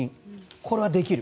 これはできる。